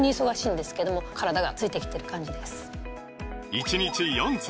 １日４粒！